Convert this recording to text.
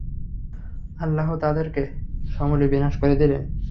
আল্লাহ তাদেরকে সমূলে বিনাশ করে দিলেন।